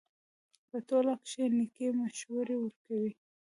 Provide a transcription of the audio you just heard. په ټولنه کښي نېکي مشورې ورکوئ!